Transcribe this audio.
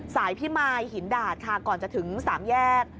พิมายหินดาดค่ะก่อนจะถึง๓แยก